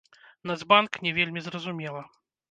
Нацбанк, не вельмі зразумела.